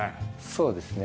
そうですね。